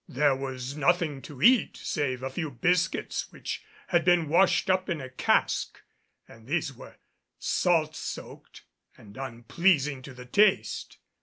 There was nothing to eat save a few biscuits which had been washed up in a cask, and these were salt soaked and unpleasing to the taste.